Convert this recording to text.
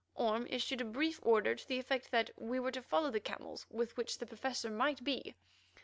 Orme issued a brief order to the effect that we were to follow the camels with which the Professor might be.